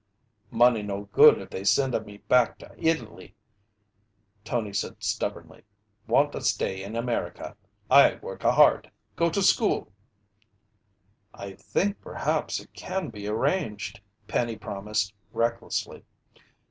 "Money no good if they send a me back to Italy!" Tony said stubbornly. "Want a stay in America. I work a hard. Go to school!" "I think perhaps it can be arranged," Penny promised recklessly.